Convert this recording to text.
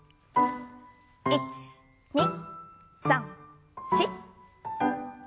１２３４。